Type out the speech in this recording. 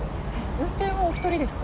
運転はお１人ですか？